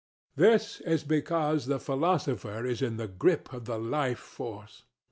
This is because the philosopher is in the grip of the Life Force.